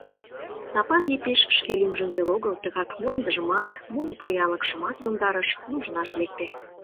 Сапан Епиш шке лӱмжым веле огыл, тыгак мландыжымат, моло поянлыкшымат йомдарыш, нужнаш лекте.